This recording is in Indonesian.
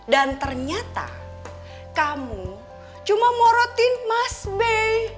dan ternyata kamu cuma morotin mas be